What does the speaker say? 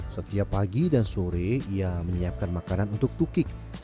setiap pagi dan sore ia menyiapkan makanan untuk tukik